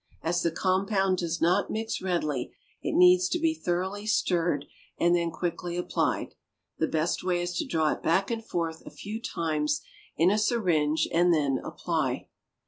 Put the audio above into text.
As the compound does not mix readily, it needs to be thoroughly stirred, and then quickly applied. The best way is to draw it back and forth a few times in a syringe, and then apply.